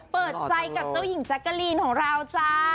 เปิดใจกับเจ้าหญิงแจ๊กกะลีนของเราจ้า